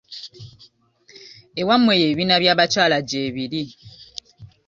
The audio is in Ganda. Ewammwe eyo ebibiina bya bakyala gyebiri.